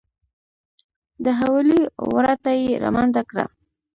د حویلۍ وره ته یې رامنډه کړه .